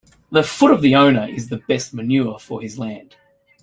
The foot of the owner is the best manure for his land.